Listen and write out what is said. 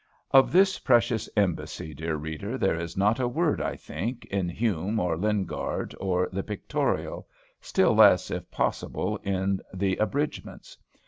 Of this precious embassy, dear reader, there is not a word, I think, in Hume, or Lingard, or the "Pictorial" still less, if possible, in the abridgments.